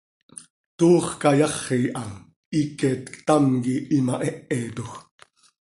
Toox cayaxi ha, hiiquet ctam quih imahéhetoj.